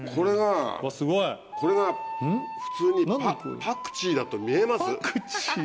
これが、普通にパクチーだと見えパクチー？